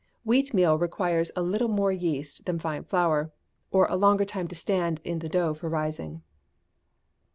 Wheat meal requires a little more yeast than fine flour, or a longer time to stand in the dough for rising.